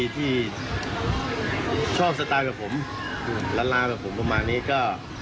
ที่ชอบสไตล์กับผมล้านลากับผมประมาณนี้ก็